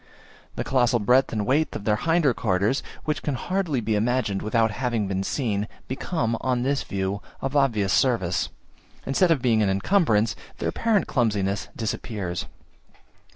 The colossal breadth and weight of their hinder quarters, which can hardly be imagined without having been seen, become on this view, of obvious service, instead of being an incumbrance: their apparent clumsiness disappears.